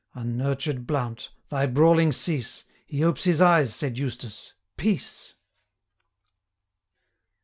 'Unnurtured Blount! thy brawling cease: 870 He opes his eyes,' said Eustace; 'peace!'